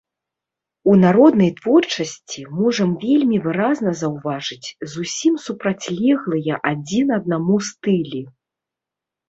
У народнай творчасці можам вельмі выразна заўважыць зусім супрацьлеглыя адзін аднаму стылі.